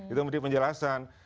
itu penting penjelasan